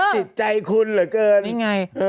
ติดใจคุณเหลือเกิน